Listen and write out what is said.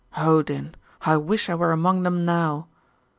'Odin! I wish I were among them now!